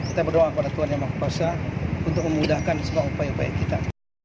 kita berdoa kepada tuhan yang maha kuasa untuk memudahkan semua upaya upaya kita